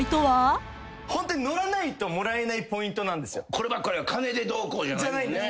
こればっかりは金でどうこうじゃないもんね。